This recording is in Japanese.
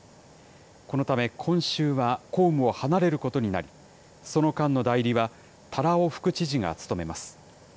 このため、今週は公務を離れることになり、その間の代理は、多羅尾副知事が務めます。